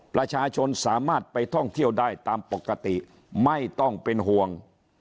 ประชาชนสามารถไปท่องเที่ยวได้ตามปกติไม่ต้องเป็นห่วง